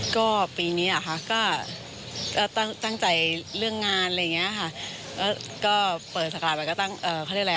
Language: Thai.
ก็ปีนี้ค่ะก็ตั้งใจเรื่องงานเลยเงี้ยค่ะก็เปิดสภาพไปก็ตั้งเอ่อเขาเรียกอะไรอ่ะ